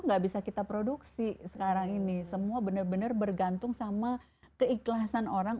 nggak bisa kita produksi sekarang ini semua bener bener bergantung sama keikhlasan orang